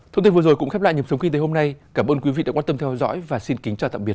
thông tin vừa rồi cũng khép lại nhập sống kinh tế hôm nay cảm ơn quý vị đã quan tâm theo dõi và xin kính chào tạm biệt